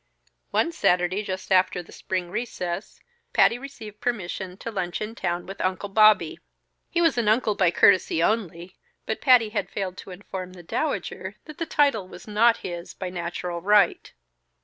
One Saturday just after the spring recess, Patty received permission to lunch in town with "Uncle Bobby." He was an uncle by courtesy only, but Patty had failed to inform the Dowager that the title was not his by natural right.